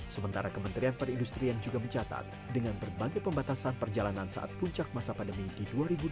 sementara kementerian perindustrian juga mencatat dengan berbagai pembatasan perjalanan saat puncak masa pandemi di dua ribu dua puluh